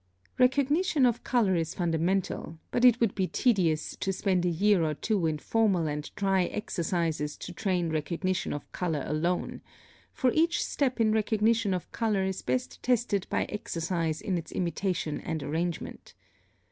Recognition of color is fundamental, but it would be tedious to spend a year or two in formal and dry exercises to train recognition of color alone; for each step in recognition of color is best tested by exercise in its imitation and arrangement.